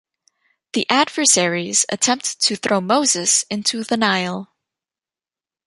The adversaries attempt to throw Moses into the Nile.